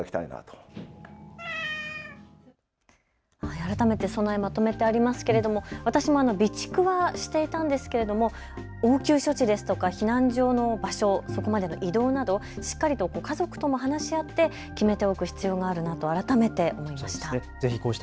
改めて備え、まとめてありますけれど私も備蓄はしていたんですけれど応急処置ですとか避難所の場所、そこまでの移動などしっかりと家族とも話し合って決めておく必要があるなと改めて思いました。